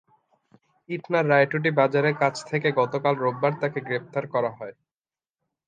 ইটনার রায়টুটি বাজারের কাছ থেকে গতকাল রোববার তাঁকে গ্রেপ্তার করা হয়।